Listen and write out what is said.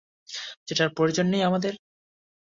যেটার প্রয়োজন নেই আমাদের।